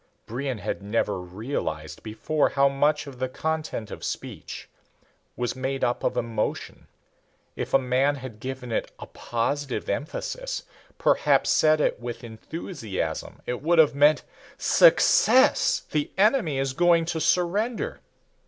Brion had never realized before how much of the content of speech was made up of emotion. If the man had given it a positive emphasis, perhaps said it with enthusiasm, it would have meant, "Success! The enemy is going to surrender!"